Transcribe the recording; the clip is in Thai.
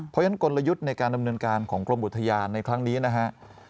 เพราะฉะนั้นกลยุทธ์ในการดำเนินการของกรมอุทยานในครั้งนี้นะฮะ